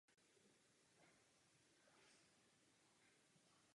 Nakonec dojde na vraku ke kanibalismu.